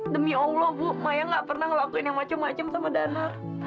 demi allah bu maya nggak pernah ngelakuin yang macem macem sama dana